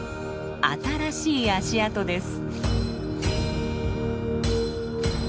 新しい足跡です。